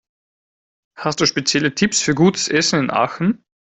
Hast du spezielle Tipps für gutes Essen in Aachen?